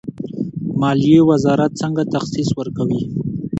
مالیې وزارت څنګه تخصیص ورکوي؟